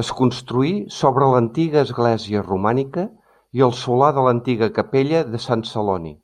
Es construí sobre l'antiga església romànica i el solar de l'antiga capella de Sant Celoni.